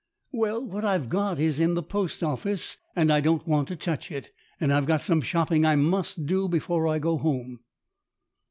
"Well, what I've got is in the Post Office, and I don't want to touch it. And I've got some shopping I must do before I go home."